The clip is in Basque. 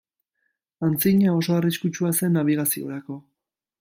Antzina, oso arriskutsua zen nabigaziorako.